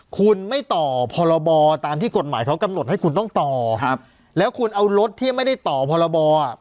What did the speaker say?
คุณไม่ต่อพรบตามที่กฎหมายเขากำหนดให้คุณต้องต่อครับแล้วคุณเอารถที่ไม่ได้ต่อพรบอ่ะ